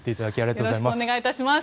よろしくお願いします。